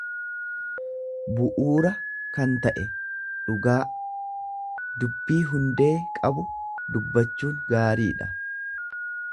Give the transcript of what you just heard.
. bu'uura kan ta'e, dhugaa; Dubbii hundee qabu dubbachuun gaariidha.